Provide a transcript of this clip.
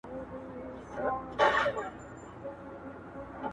او په دســــــــتار مې ګلان ايښـــــــې له سيالي دې